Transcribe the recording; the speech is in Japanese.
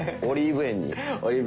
オリーブ園に。